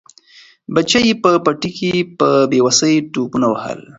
بچي یې په پټي کې په بې وسۍ ټوپونه وهل.